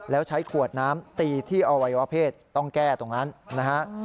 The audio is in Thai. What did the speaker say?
แล้วใช้ขวดน้ำตีที่อวัยวะเพศต้องแก้ตรงนั้นนะฮะ